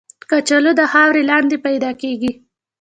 کچالو د خاورې لاندې پیدا کېږي